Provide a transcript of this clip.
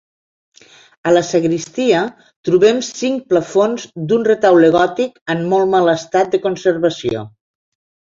A la sagristia trobem cinc plafons d'un retaule gòtic, en molt mal estat de conservació.